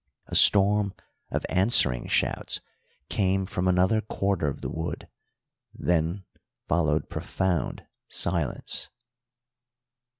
A storm of answering shouts came from another quarter of the wood, then followed profound silence.